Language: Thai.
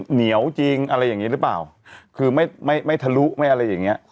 เหนียวจริงอะไรอย่างนี้หรือเปล่าคือไม่ไม่ทะลุไม่อะไรอย่างเงี้ย